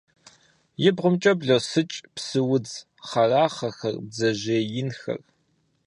И бгъумкӀэ блосыкӀ псы удз хъэрахъэхэр, бдзэжьей инхэр.